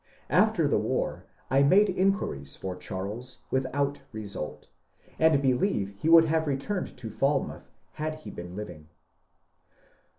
After the war I made inquiries for Charles without result, and believe he would have returned to Falmouth had he been living.